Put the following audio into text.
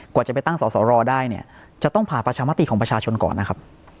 กว่าจะไปตั้งสอสรได้เนี่ยจะต้องผ่าประชามติของประชาชนก่อนนะครับ